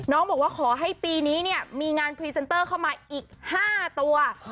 บอกว่าขอให้ปีนี้เนี่ยมีงานพรีเซนเตอร์เข้ามาอีก๕ตัว